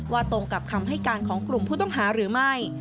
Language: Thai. ตรงกับคำให้การของกลุ่มผู้ต้องหาหรือไม่